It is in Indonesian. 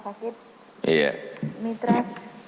saya perawat perkenalkan saya perawat dari rumah sakit